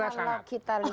kalau kita lihat